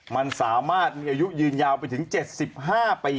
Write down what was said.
มันสามารถมีอายุยืนยาวไปถึง๗๕ปี